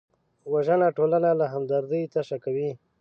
وژنه ټولنه له همدردۍ تشه کوي